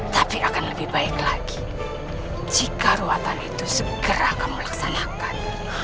tapi akan lebih baik lagi jika ruatan itu segera kamu laksanakan